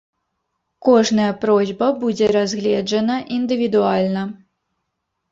Кожная просьба будзе разгледжана індывідуальна.